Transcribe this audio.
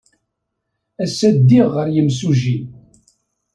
Ass-a, ddiɣ ɣer yimsujji.